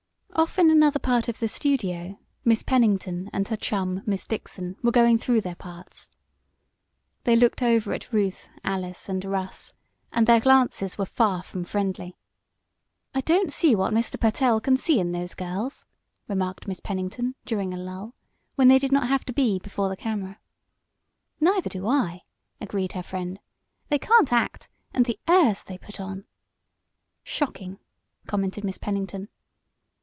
Off in another part of the studio Miss Pennington and her chum, Miss Dixon, were going through their parts. They looked over at Ruth, Alice and Russ, and their glances were far from friendly. "I don't see what Mr. Pertell can see in those girls," remarked Miss Pennington, during a lull, when they did not have to be before the camera. "Neither do I," agreed her friend. "They can't act, and the airs they put on!" "Shocking!" commented Miss Pennington.